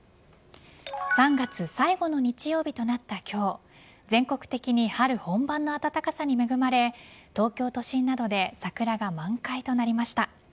３月最後の日曜日となった今日全国的に春本番の暖かさに恵まれ東京都心などで桜が満開となりました。